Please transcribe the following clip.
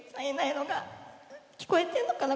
聞こえてるのかな？